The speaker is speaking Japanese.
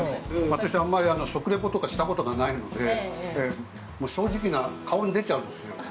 私、あんまり食レポとかしたことがないので正直な、顔に出ちゃうんですよ。